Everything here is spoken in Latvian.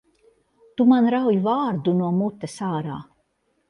Tu man rauj vārdu no mutes ārā!